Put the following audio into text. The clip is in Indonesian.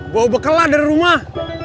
gua bekel lah dari rumah